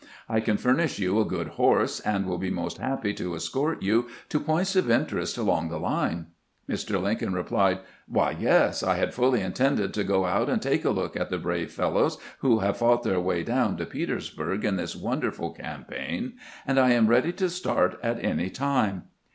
I can furnish you a good horse, and will be most happy to escort you to points of interest along the line." Mr. Lincoln replied :" Why, yes ; I had fully intended to go out and take a look at the brave fellows who have fought their way down to Petersburg in this wonderful campaign, and I am ready to start at any time."